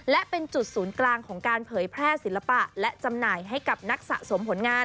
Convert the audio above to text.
และเป็นจุดศูนย์กลางของการเผยแพร่ศิลปะและจำหน่ายให้กับนักสะสมผลงาน